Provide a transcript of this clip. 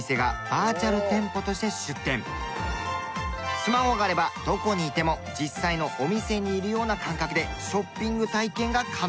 スマホがあればどこにいても実際のお店にいるような感覚でショッピング体験が可能。